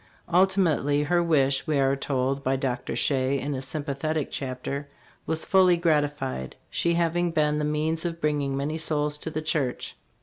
Ultimate ly her wish we are told by Dr. Shea, in a sympathetic chapter, was fully gratified, she having been the means of bringing many souls to the church.